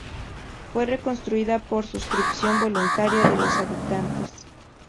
Fue reconstruida por suscripción voluntaria de los habitantes.